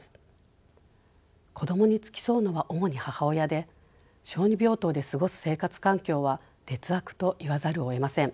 子どもに付き添うのは主に母親で小児病棟で過ごす生活環境は劣悪と言わざるをえません。